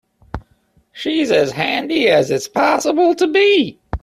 She's as handy as it's possible to be.